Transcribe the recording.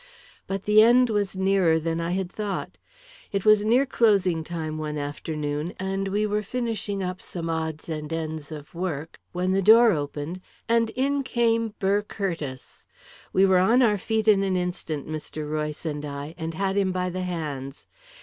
But the end was nearer than I had thought. It was near closing time one afternoon, and we were finishing up some odds and ends of work, when the door opened, and in came Burr Curtiss. We were on our feet in an instant Mr. Royce and I and had him by the hands.